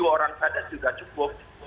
sepuluh orang saja sudah cukup